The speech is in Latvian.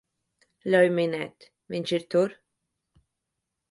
Ļauj minēt, viņš ir tur?